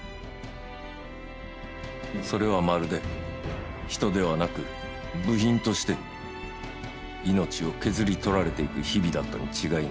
それは、まるで人ではなく部品として命を削り取られていく日々だったに違いない。